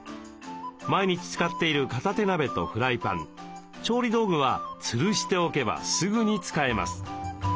毎日使っている片手鍋とフライパン調理道具はつるしておけばすぐに使えます。